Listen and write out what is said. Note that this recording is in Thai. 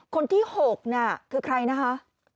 คนที่๖คือใครนะฮะ